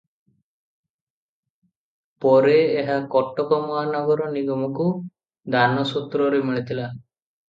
ପରେ ଏହା କଟକ ମହାନଗର ନିଗମକୁ ଦାନ ସୂତ୍ରରେ ମିଳିଥିଲା ।